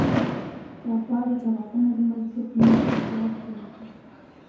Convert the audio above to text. که غواړې چې غاښونه دې مضبوط وي نو مسواک وهه.